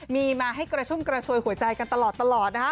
มีมาให้กระชุ่มกระชวยหัวใจกันตลอดนะฮะ